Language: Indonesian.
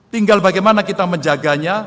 tinggal bagaimana kita menjaganya